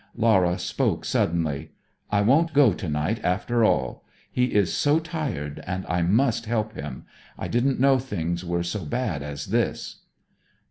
Laura spoke suddenly: 'I won't go to night after all. He is so tired, and I must help him. I didn't know things were so bad as this!'